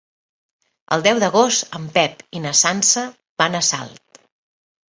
El deu d'agost en Pep i na Sança van a Salt.